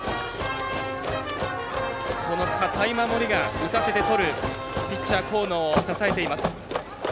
この堅い守りが打たせてとるピッチャー河野を支えています。